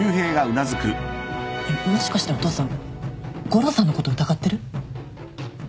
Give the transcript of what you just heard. えっもしかしてお父さん悟郎さんのこと疑ってる？